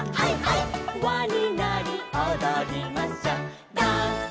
「わになりおどりましょう」